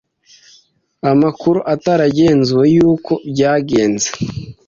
amakuru ataragenzuwe yuko byagenze